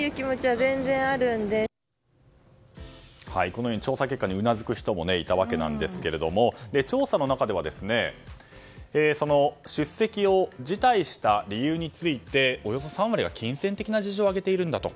このように調査結果にうなずく人もいたわけなんですが調査の中では出席を辞退した理由についておよそ３割が金銭的な事情を挙げているんだと。